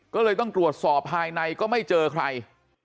ก็เลยต้องตรวจสอบภายในก็ไม่เจอใคร